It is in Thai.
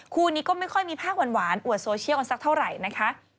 คู่นี้ก็ไม่ค่อยมีภาพหวานอวดโซเชียลกันสักเท่าไหร่นะคะ